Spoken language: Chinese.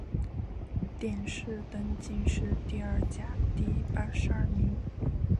殿试登进士第二甲第八十二名。